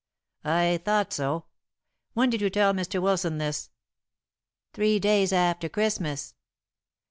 "I thought so. When did you tell Mr. Wilson this?" "Three days after Christmas."